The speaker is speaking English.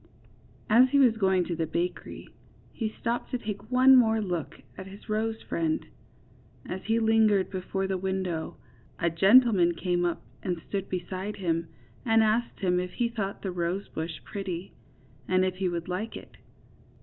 As he was going to the bakery he stopped to take one more look at his rose friend. As he hngered before the window, a gentleman came up and stood beside him, and asked him if he thought the rosebush pretty, and if he would like it.